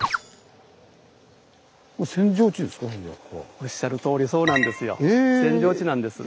おっしゃるとおりそうなんですよ。